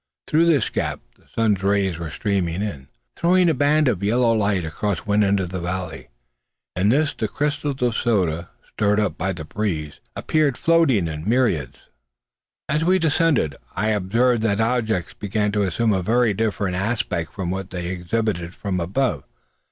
Through this gap the sun's rays were streaming in, throwing a band of yellow light across one end of the valley. In this the crystals of the soda, stirred up by the breeze, appeared floating in myriads. As we descended, I observed that objects began to assume a very different aspect from what they had exhibited from above.